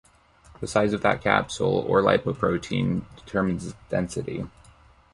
The size of that capsule, or lipoprotein, determines its density.